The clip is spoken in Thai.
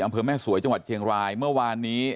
อำเภอแม่สวยจังหวัดเชียงรายเมื่อวานนี้